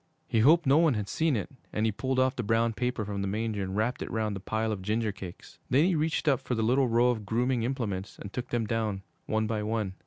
He hoped no one had seen it, and he pulled off the brown paper from the manger and wrapped it round the pile of ginger cakes. Then he reached up for the little row of grooming implements and took them down one by one.